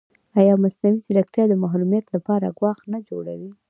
ایا مصنوعي ځیرکتیا د محرمیت لپاره ګواښ نه جوړوي؟